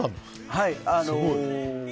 はい。